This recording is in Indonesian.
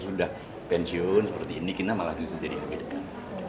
sudah pensiun seperti ini kita malah justru jadi lebih dekat